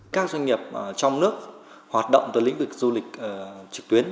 các doanh nghiệp trong nước hoạt động từ lĩnh vực du lịch trực tuyến